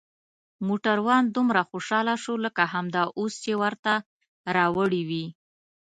موټروان دومره خوشحاله شو لکه همدا اوس چې ورته راوړي وي.